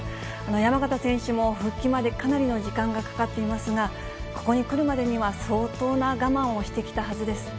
山縣選手も復帰までかなりの時間がかかっていますが、ここにくるまでには、相当な我慢をしてきたはずです。